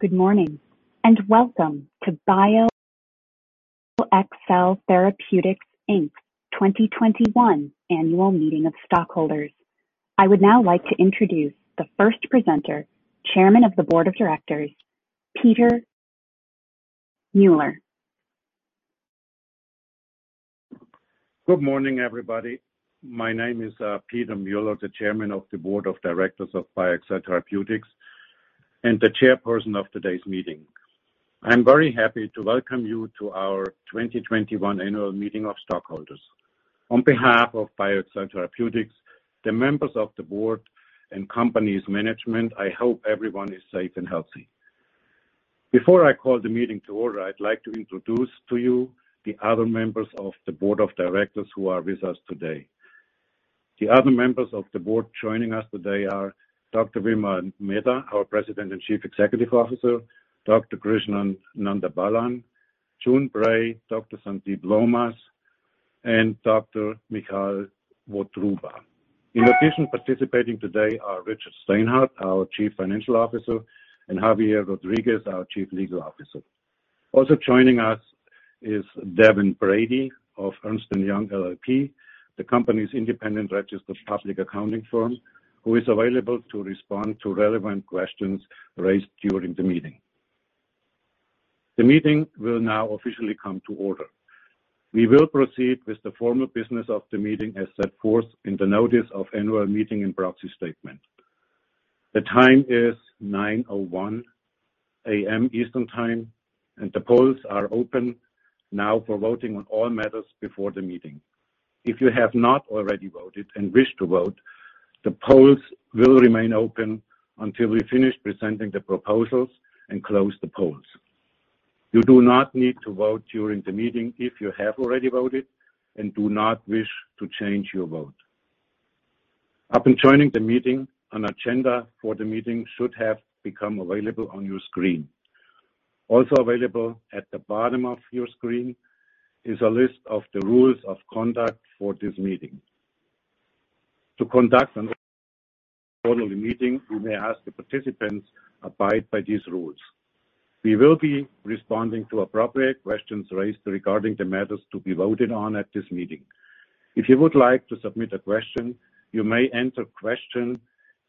Good morning. Welcome to BioXcel Therapeutics, Inc.'s 2021 Annual Meeting of Stockholders. I would now like to introduce the first presenter, Chairman of the Board of Directors, Peter Mueller. Good morning, everybody. My name is Peter Mueller, the Chairman of the Board of Directors of BioXcel Therapeutics, and the Chairperson of today's meeting. I'm very happy to welcome you to our 2021 Annual Meeting of Stockholders. On behalf of BioXcel Therapeutics, the members of the board, and company's management, I hope everyone is safe and healthy. Before I call the meeting to order, I'd like to introduce to you the other members of the board of directors who are with us today. The other members of the board joining us today are Dr. Vimal Mehta, our President and Chief Executive Officer, Dr. Krishnan Nandabalan, June Bray, Dr. Sandeep Laumas, and Dr. Michal Votruba. In addition, participating today are Richard Steinhart, our Chief Financial Officer, and Javier Rodriguez, our Chief Legal Officer. Also joining us is Devin Brady of Ernst & Young LLP, the company's independent registered public accounting firm, who is available to respond to relevant questions raised during the meeting. The meeting will now officially come to order. We will proceed with the formal business of the meeting as set forth in the notice of annual meeting and proxy statement. The time is 9:01 A.M. Eastern Time, and the polls are open now for voting on all matters before the meeting. If you have not already voted and wish to vote, the polls will remain open until we finish presenting the proposals and close the polls. You do not need to vote during the meeting if you have already voted and do not wish to change your vote. Upon joining the meeting, an agenda for the meeting should have become available on your screen. Also available at the bottom of your screen is a list of the rules of conduct for this meeting. To conduct of the meeting, we may ask the participants abide by these rules. We will be responding to appropriate questions raised regarding the matters to be voted on at this meeting. If you would like to submit a question, you may enter question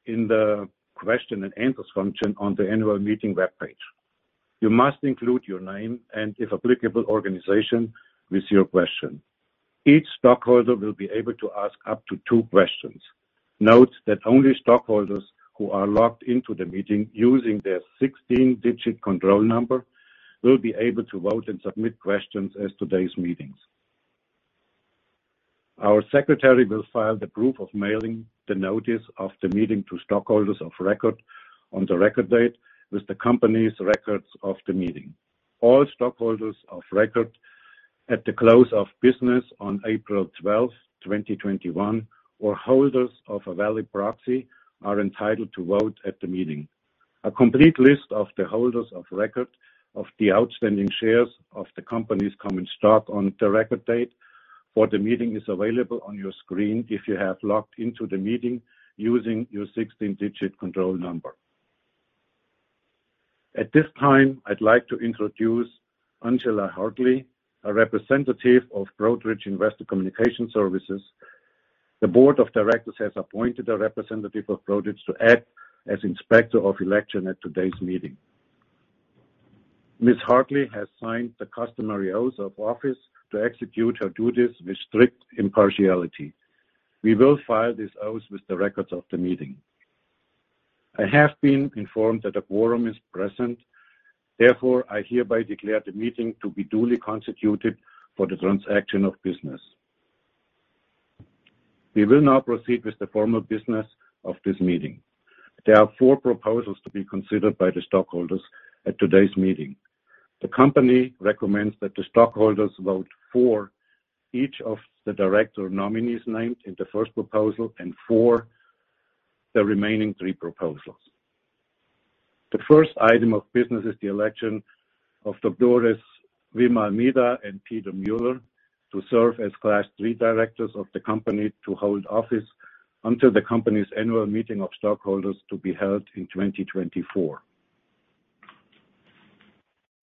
in the Question and Answers function on the annual meeting webpage. You must include your name and, if applicable, organization with your question. Each stockholder will be able to ask up to two questions. Note that only stockholders who are logged into the meeting using their 16-digit control number will be able to vote and submit questions at today's meeting. Our secretary will file the proof of mailing the notice of the meeting to stockholders of record on the record date with the company's records of the meeting. All stockholders of record at the close of business on April 12th, 2021, or holders of a valid proxy, are entitled to vote at the meeting. A complete list of the holders of record of the outstanding shares of the company's common stock on the record date for the meeting is available on your screen if you have logged into the meeting using your 16-digit control number. At this time, I'd like to introduce Angela Hartley, a representative of Broadridge Investor Communication Services. The board of directors has appointed a representative of Broadridge to act as Inspector of Election at today's meeting. Ms. Hartley has signed the customary oaths of office to execute her duties with strict impartiality. We will file these oaths with the records of the meeting. I have been informed that a quorum is present. I hereby declare the meeting to be duly constituted for the transaction of business. We will now proceed with the formal business of this meeting. There are four proposals to be considered by the stockholders at today's meeting. The company recommends that the stockholders vote for each of the director nominees named in the first proposal and for the remaining three proposals. The first item of business is the election of Drs. Vimal Mehta and Peter Mueller to serve as Class III directors of the company to hold office until the company's annual meeting of stockholders to be held in 2024.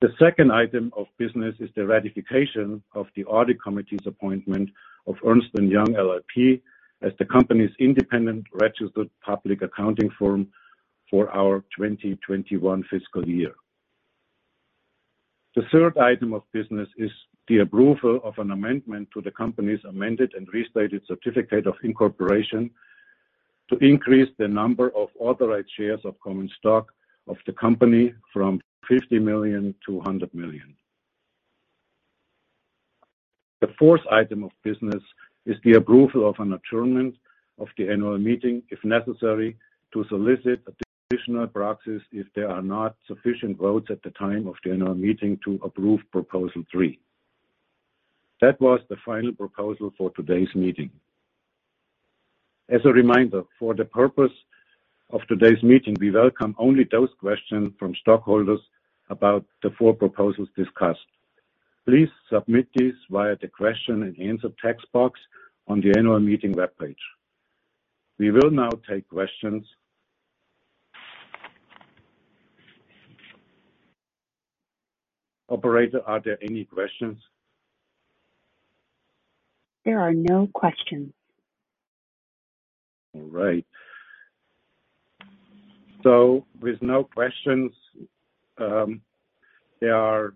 The second item of business is the ratification of the audit committee's appointment of Ernst & Young LLP as the company's independent registered public accounting firm for our 2021 fiscal year. The third item of business is the approval of an amendment to the company's amended and restated certificate of incorporation to increase the number of authorized shares of common stock of the company from 50 million to 100 million. The fourth item of business is the approval of an adjournment of the annual meeting, if necessary, to solicit additional proxies if there are not sufficient votes at the time of the annual meeting to approve Proposal three. That was the final proposal for today's meeting. As a reminder, for the purpose of today's meeting, we welcome only those questions from stockholders about the four proposals discussed. Please submit these via the question and answer text box on the annual meeting webpage. We will now take questions. Operator, are there any questions? There are no questions. All right. With no questions, there are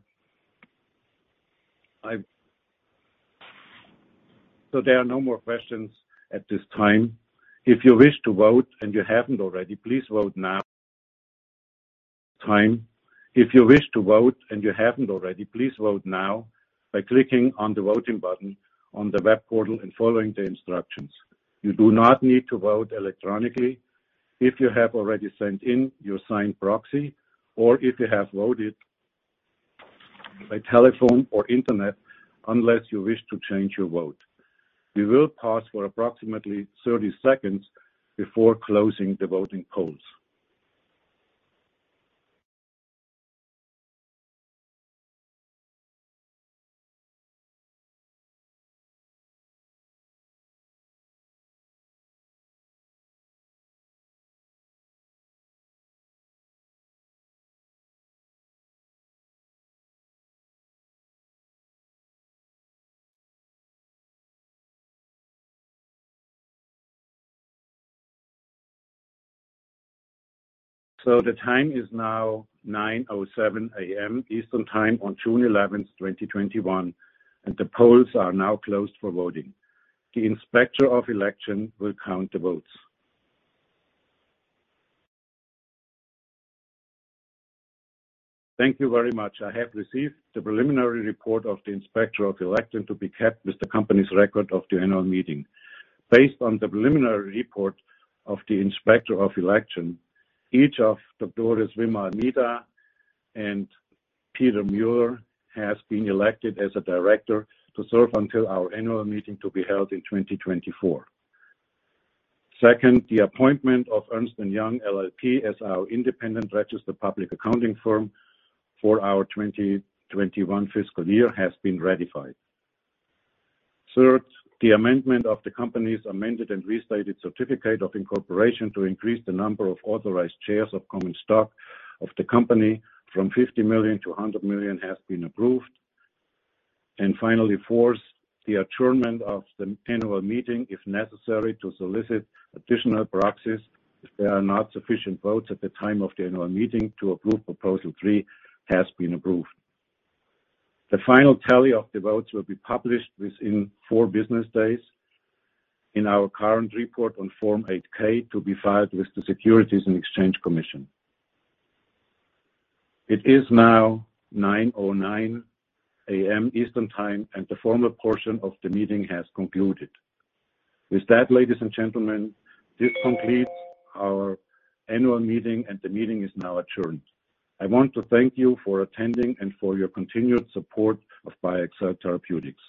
no more questions at this time. If you wish to vote and you haven't already, please vote now by clicking on the voting button on the web portal and following the instructions. You do not need to vote electronically if you have already sent in your signed proxy or if you have voted by telephone or internet unless you wish to change your vote. We will pause for approximately 30 seconds before closing the voting polls. The time is now 9:07 A.M. Eastern Time on June 11th, 2021, and the polls are now closed for voting. The Inspector of Election will count the votes. Thank you very much. I have received the preliminary report of the Inspector of Election to be kept with the company's record of the annual meeting. Based on the preliminary report of the Inspector of Election, each of Drs. Vimal Mehta and Peter Mueller has been elected as a director to serve until our annual meeting to be held in 2024. Second, the appointment of Ernst & Young LLP as our independent registered public accounting firm for our 2021 fiscal year has been ratified. Third, the amendment of the company's amended and restated certificate of incorporation to increase the number of authorized shares of common stock of the company from 50 million to 100 million has been approved. Finally, fourth, the adjournment of the annual meeting, if necessary, to solicit additional proxies if there are not sufficient votes at the time of the annual meeting to approve proposal three, has been approved. The final tally of the votes will be published within four business days in our current report on Form 8-K to be filed with the Securities and Exchange Commission. It is now 9:09 AM Eastern Time, and the formal portion of the meeting has concluded. With that, ladies and gentlemen, this completes our annual meeting and the meeting is now adjourned. I want to thank you for attending and for your continued support of BioXcel Therapeutics.